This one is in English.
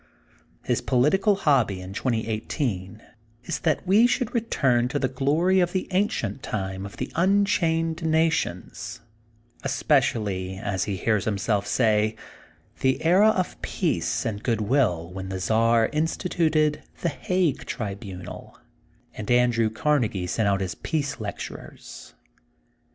His political hobby in 2018 is that we should return to the glory of the ancient time of the unchained nations, especially, as he hears himself say, the era of peace and good will when the Czar instituted the Hague trib unal, and Andrew Carnegie sent out his peace lecturers.